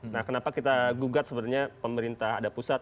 nah kenapa kita gugat sebenarnya pemerintah ada pusat